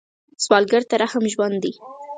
سوالګر ته رحم ژوند دی